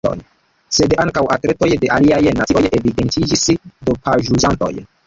Sed ankaŭ atletoj de aliaj nacioj evidentiĝis dopaĵ-uzantoj.